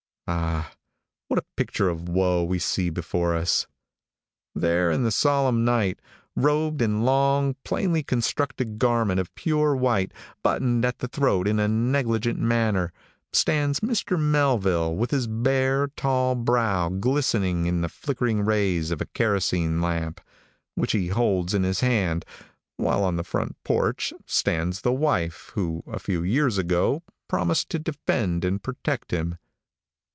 Ah, what a picture of woe we see before us. There in the solemn night, robed in? long, plainly constructed garment of pure white, buttoned at the throat in a negligent manner, stands Mr. Melville with his bare, tall brow glistening in the flickering rays of a kerosene lamp, which he holds in his hand, while on the front porch stands the wife who a few years ago promised to defend and protect him.